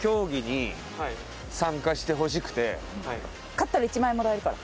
勝ったら１万円もらえるから。